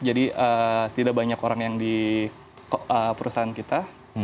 jadi tidak banyak orang yang di perusahaan kita